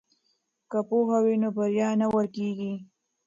که پوهه وي نو بریا نه ورکیږي.